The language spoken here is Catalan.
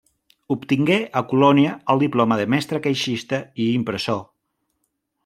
Obtingué a Colònia el diploma de mestre caixista i impressor.